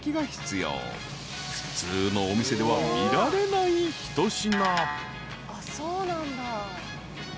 ［普通のお店では見られない一品］